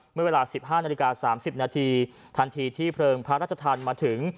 เมื่อเวลา๑๕นาฬิกา๓๐นาทีทันทีที่เพลิงพระราชทันมาถึง